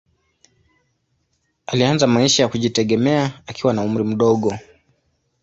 Alianza maisha ya kujitegemea akiwa na umri mdogo.